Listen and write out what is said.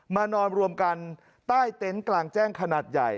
นอนรวมกันใต้เต็นต์กลางแจ้งขนาดใหญ่